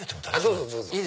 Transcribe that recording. どうぞどうぞ。